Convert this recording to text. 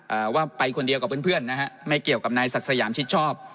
ว่าไปคนเดียวกับเพื่อนเพื่อนนะฮะไม่เกี่ยวกับนายศักดิ์สยามชิดชอบ